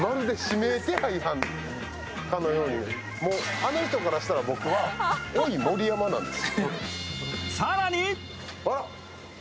あの人からしたら僕は、おい盛山なんです。